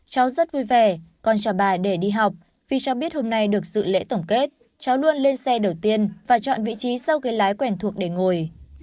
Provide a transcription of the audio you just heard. cháu rất vui vẻ còn chào bà để đi học vì cháu biết hôm nay được dự lễ tổng kết cháu luôn lên xe đầu tiên và chọn vị trí sau ghế lái quen thuộc để ngồi